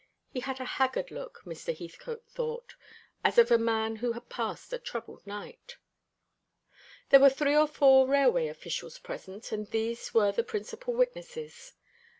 He had a haggard look, Mr. Heathcote thought, as of a man who had passed a troubled night. There were three or four railway officials present, and these were the principal witnesses.